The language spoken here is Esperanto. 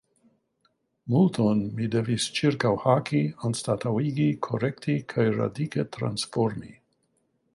Multon mi devis ĉirkaŭhaki, anstataŭigi, korekti kaj radike transformi.